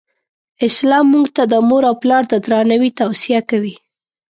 اسلام مونږ ته د مور او پلار د درناوې توصیه کوی.